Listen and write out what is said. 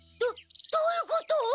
どどういうこと？